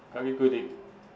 các quy định